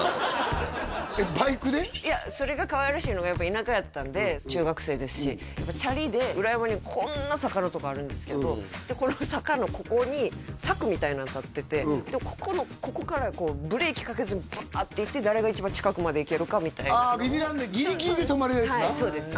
いやそれがかわいらしいのがやっぱ田舎やったんで中学生ですしチャリで裏山にこんな坂のとこあるんですけどこの坂のここに柵みたいなの立っててここのここからブレーキかけずにバーッて行って誰が一番近くまで行けるかみたいなのをああビビらんでギリギリで止まるやつな？